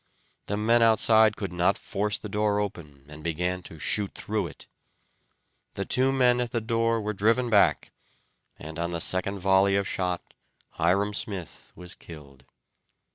The men outside could not force the door open, and began to shoot through it. The two men at the door were driven back, and on the second volley of shot Hyrum Smith was killed.